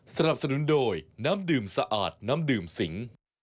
สนับสนุนโดยน้ำดื่มสะอาดน้ำดื่มสิง